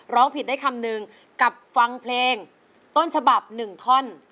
ร้องผิดได้คำนึงกับฟังเพลงต้นฉบับหนึ่งท่อน